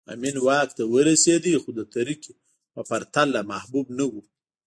امین واک ته ورسېد خو د ترکي په پرتله محبوب نه و